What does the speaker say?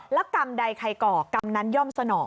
แล้วกรรมใดใครก่อกรรมนั้นย่อมสนอ